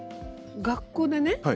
学校でね